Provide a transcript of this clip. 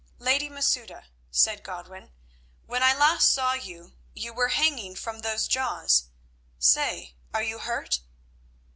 "Lady Masouda," asked Godwin, "when last I saw you you were hanging from those jaws. Say, are you hurt?"